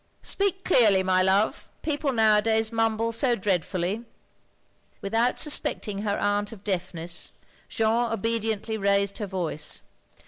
Speak clearly, my love. People nowadays mumble so dread fully." Without stispecting her aunt of deafness, Jeanne obediently raised her voice.